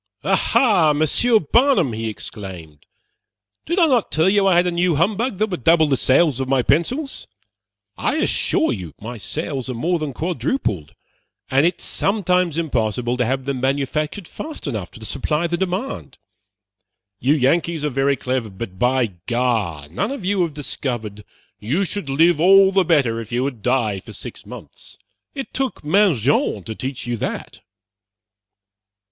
"Aha, Monsieur Barnum!" he exclaimed, "did I not tell you I had a new humbug that would double the sales of my pencils? I assure you my sales are more than quadrupled, and it is sometimes impossible to have them manufactured fast enough to supply the demand. You Yankees are very clever, but by gar, none of you have discovered you should live all the better if you would die for six months. It took Mangin to teach you that."